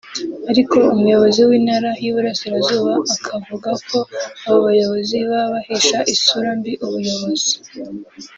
Ariko umuyobozi w’Intara y’Iburasirazuba akavuga ko abo bayobozi baba bahesha isura mbi ubuyobozi